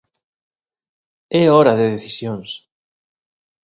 É hora de decisións.